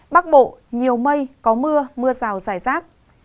bắc bộ nhiều mây có mưa mưa rào rải rác